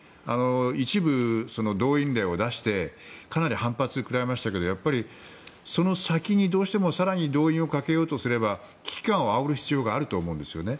一部、動員令を出してかなり反発を食らいましたがやっぱり、その先にどうしても更に動員をかけようとすれば危機感をあおる必要があると思うんですね。